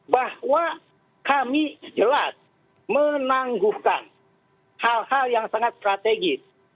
bahwa kami jelas menangguhkan hal hal yang sangat strategis